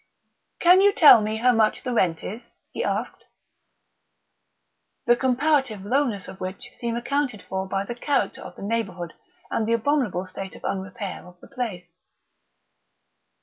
"Can you tell me how much the rent is?" he asked. The man mentioned a figure, the comparative lowness of which seemed accounted for by the character of the neighbourhood and the abominable state of unrepair of the place.